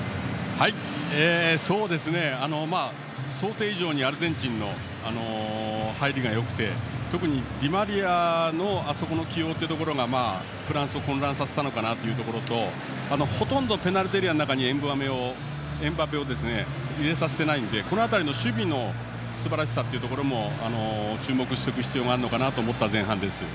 想定以上にアルゼンチンの入りがよくて特にディマリアのあそこの位置での起用がフランスを混乱させたのかなというところとほとんどペナルティーエリアの中にエムバペを入れさせていないのでこの辺りの守備のすばらしさにも注目していく必要があると思った前半です。